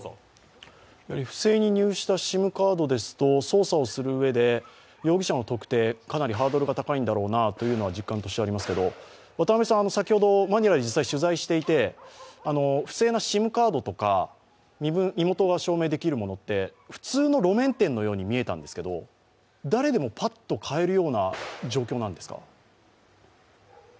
不正に入手したＳＩＭカードですと捜査をするうえで容疑者の特定かなりハードルが高いんだろうなというのは実感としてありますけど先ほどマニラで実際取材していて、不正なＳＩＭカードとか身元が証明できるものって、普通の路面店のように見えたんですけど誰でもパッと買えるような状況なんですか？